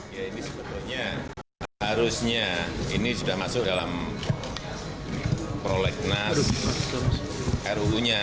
ya ini sebetulnya harusnya ini sudah masuk dalam prolegnas ruu nya